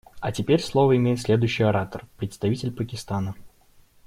А теперь слово имеет следующий оратор − представитель Пакистана.